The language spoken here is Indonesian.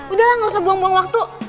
udah lah gak usah buang buang waktu